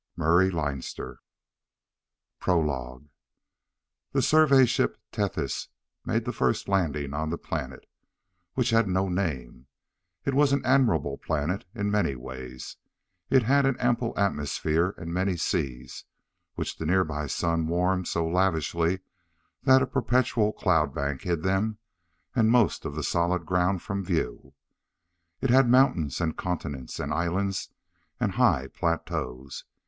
Murray Leinster PROLOGUE The Survey Ship Tethys made the first landing on the planet, which had no name. It was an admirable planet in many ways. It had an ample atmosphere and many seas, which the nearby sun warmed so lavishly that a perpetual cloud bank hid them and most of the solid ground from view. It had mountains and continents and islands and high plateaus.